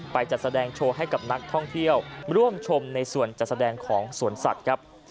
จัดแสดงโชว์ให้กับนักท่องเที่ยวร่วมชมในส่วนจัดแสดงของสวนสัตว์ครับ